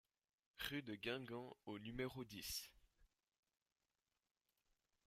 Rue de Guingamp au numéro dix